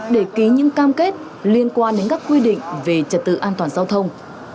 để ký những cam kết liên quan đến các quy định về trật tự an toàn giao thông